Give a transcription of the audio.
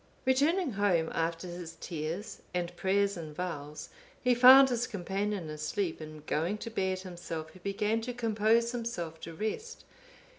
Returning home, after his tears and prayers and vows, he found his companion asleep; and going to bed himself, he began to compose himself to rest.